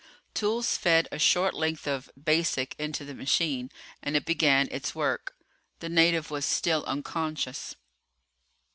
Toolls fed a short length of basic into the machine and it began its work. The native was still unconscious.